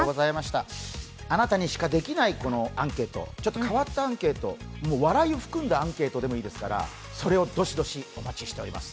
あなたにしかできない、このアンケート、ちょっと変わったアンケート笑いを含んだアンケートでもいいですからそれをどしどし、お待ちしております。